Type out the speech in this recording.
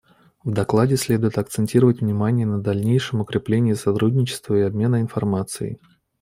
В докладе следует акцентировать внимание на дальнейшем укреплении сотрудничества и обмена информацией.